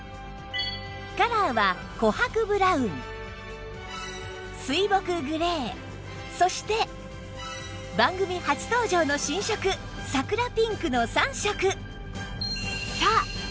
カラーは琥珀ブラウン水墨グレーそして番組初登場の新色桜ピンクの３色